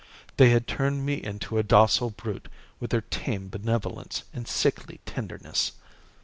They had turned me into a docile brute with their tame benevolence and sickly tenderness.